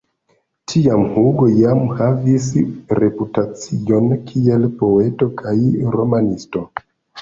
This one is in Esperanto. Tiam Hugo jam havis reputacion kiel poeto kaj romanisto.